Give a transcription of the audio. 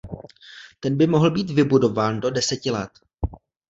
Ten by mohl být vybudován do deseti let.